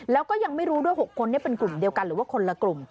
แล้วก็ยังไม่รู้ด้วย๖คนเป็นกลุ่มเดียวกันหรือว่าคนละกลุ่ม